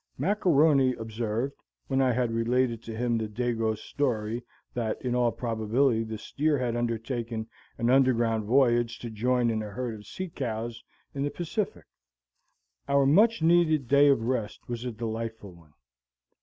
Mac A'Rony observed, when I had related to him the dago's story that in all probability the steer had undertaken an underground voyage to join a herd of sea cows in the Pacific. Our much needed day of rest was a delightful one.